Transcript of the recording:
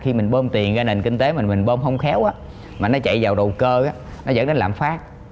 khi mình bơm tiền ra nền kinh tế mà mình bơm không khéo mà nó chạy vào đồ cơ nó dẫn đến lãm phát